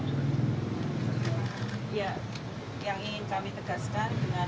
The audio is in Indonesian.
ya yang ingin kami tegaskan dengan